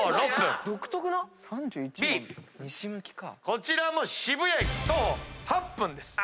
Ｂこちらも渋谷駅徒歩８分です。